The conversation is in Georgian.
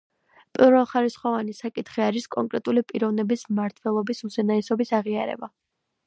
პირველხარისხოვანი საკითხი არის კონკრეტული პიროვნების მმართველობის უზენაესობის აღიარება.